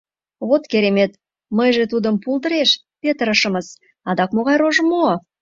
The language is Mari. — Вот керемет, мыйже тудым пулдыреш петырышымыс, адак могай рожым муо?!.